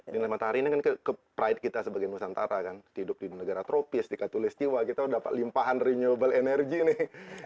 nilai matahari ini kan pride kita sebagai nusantara kan hidup di negara tropis di katulistiwa kita dapat limpahan renewable energy nih